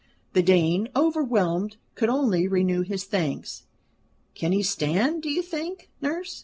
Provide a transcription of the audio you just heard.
The Dane, overwhelmed, could only renew his thanks. "Can he stand, do you think, nurse?"